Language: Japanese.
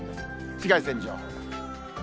紫外線情報です。